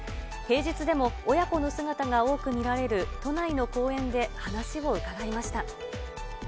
平日でも親子の姿が多く見られる都内の公園で話を伺いました。